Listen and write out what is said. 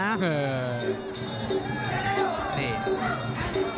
พลิกเหลี่ยงแล้วตายด้วยขวา